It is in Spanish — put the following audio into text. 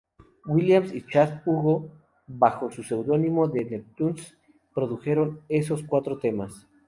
Williams y Chad Hugo, bajo su seudónimo The Neptunes, produjeron esos cuatro temas.